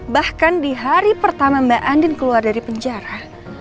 bahkan di hari pertama mbak andin keluar dari penjara